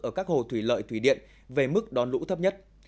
ở các hồ thủy lợi thủy điện về mức đón lũ thấp nhất